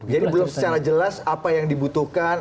belum secara jelas apa yang dibutuhkan